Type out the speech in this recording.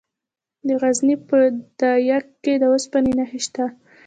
د غزني په ده یک کې د اوسپنې نښې شته.